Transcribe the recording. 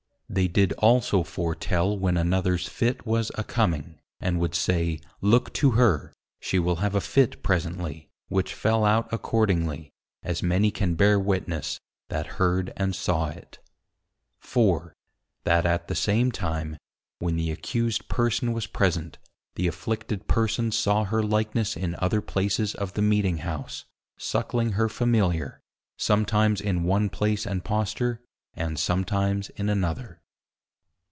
They did also foretel when anothers Fit was a coming, and would say, Look to her! she will have a Fit presently, which fell out accordingly, as many can bear witness, that heard and saw it. 4. That at the same time, when the Accused Person was present, the Afflicted Persons saw her Likeness in other places of the Meeting House, suckling her Familiar, sometimes in one place and posture, and sometimes in another.